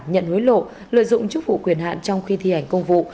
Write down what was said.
nhận hối lộ lợi dụng chức vụ quyền hạn trong khi thi hành công vụ